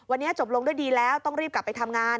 วันนี้จบลงด้วยดีแล้วต้องรีบกลับไปทำงาน